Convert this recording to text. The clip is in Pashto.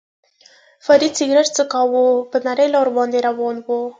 فرید سګرېټ څکاوه، پر نرۍ لار باندې روان شو.